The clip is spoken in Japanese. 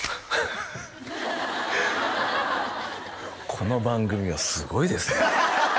この番組はすごいですね